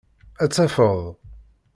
Ad tafeḍ.